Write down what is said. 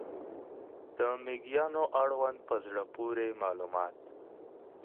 د مېږیانو اړوند په زړه پورې معلومات